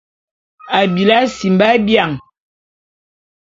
Abili asimba bian.